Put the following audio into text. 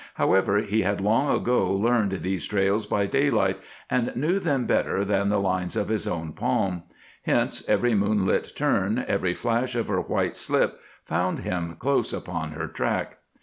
However, he had long ago learned these trails by daylight, and knew them better than the lines of his own palm; hence, every moonlit turn, every flash of her white slip, found him close upon her track.